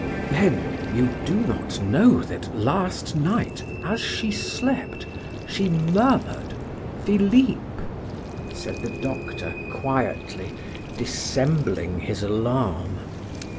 "Then you do not know that last night, as she slept, she murmured 'Philip?'" said the doctor quietly, dissembling his alarm.